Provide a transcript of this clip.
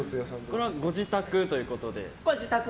これはご自宅ということで？